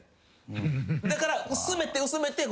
だから。